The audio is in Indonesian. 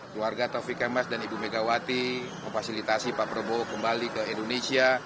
keluarga taufik emas dan ibu megawati memfasilitasi pak prabowo kembali ke indonesia